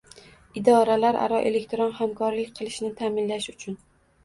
idoralararo elektron hamkorlik qilishni ta’minlash uchun